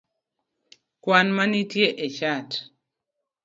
kwan manitie e chat?